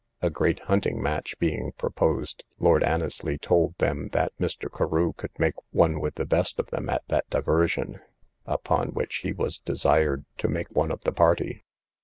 A great hunting match being proposed, Lord Annesly told them that Mr. Carew could make one with the best of them at the diversion, upon which he was desired to make one of the party.